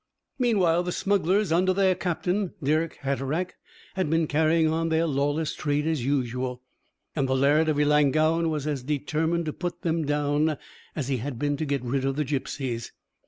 Meanwhile, the smugglers under their captain, Dirck Hatteraick, had been carrying on their lawless trade as usual, and the Laird of Ellangowan was as determined to put them down as he had been to get rid of the gipsies.